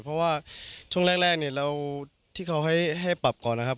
เพราะว่าช่วงแรกที่เขาให้ปรับก่อนนะครับ